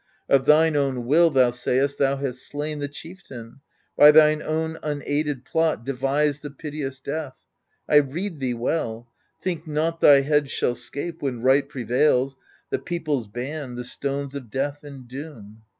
Of thine own will, thou sayest, thou hast slain The chieftain, by thine own unaided plot Devised the piteous death : I rede thee well, Think not thy head shall 'scape, when right pre vails, The people's ban, the stones of death and doom.